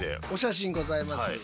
お写真ございます。